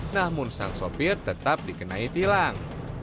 namun sang sopir tetap dikenai tilang